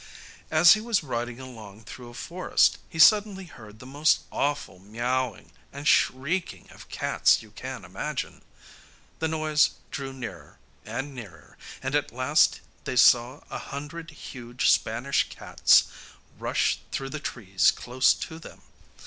As he was riding along through a forest he suddenly heard the most awful miawing and shrieking of cats you can imagine. The noise drew nearer, and nearer, and at last they saw a hundred huge Spanish cats rush through the trees close to them.